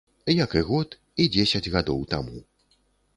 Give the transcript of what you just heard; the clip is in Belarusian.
Як і год, і дзесяць гадоў таму.